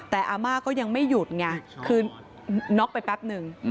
แต่อาม่าก็ยังไม่หยุดไงคือน็อกไปแป๊บนึง